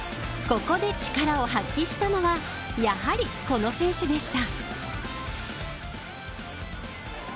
ここで力を発揮したのはやはり、この選手でした。